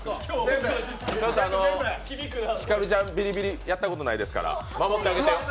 ひかるちゃん、ビリビリやったことないですから守ってあげてよ。